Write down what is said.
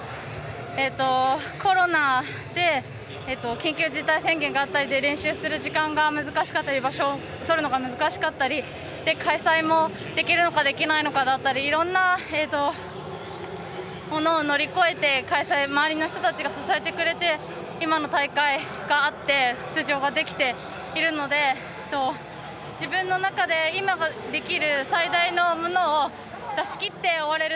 コロナで緊急事態宣言があったりで練習する時間が難しかったり場所をとるのが難しかったり開催もできるのかできないのかだったりいろんなものを乗り越えて周りの人が支えてくれて今の大会があって出場ができているので自分の中で今、できる最大のものを出し切って終われる